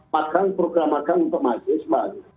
magang program program untuk mahasiswa